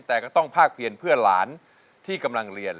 แต่ก็ต้องภาคเพียนเพื่อหลานที่กำลังเรียน